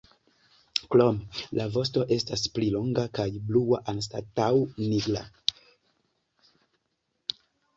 Krome la vosto estas pli longa kaj blua anstataŭ nigra.